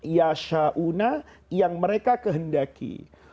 yashauna yang mereka kehendaki